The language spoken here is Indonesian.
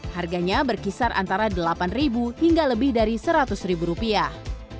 harganya berkisar antara delapan hingga lebih dari seratus rupiah